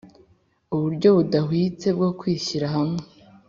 uburyo budahwitse bwo kwishyira hamwe.